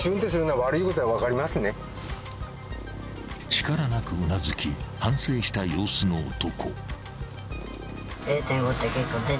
［力なくうなずき反省した様子の男］